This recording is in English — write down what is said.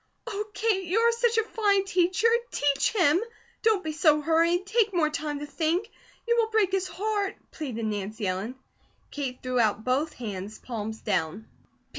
"Oh, Kate, you are such a fine teacher! Teach him! Don't be so hurried! Take more time to think. You will break his heart," pleaded Nancy Ellen. Kate threw out both hands, palms down.